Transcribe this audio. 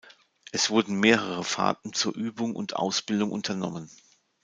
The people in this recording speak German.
Es wurden mehrere Fahrten zur Übung und Ausbildung unternommen.